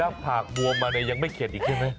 ด้านผากบวมมาเลยยังไม่เขียนอีกที่ไหม